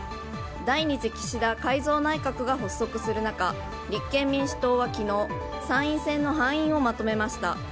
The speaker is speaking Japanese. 第２次岸田改造内閣が発足する中立憲民主党は昨日参院選の敗因をまとめました。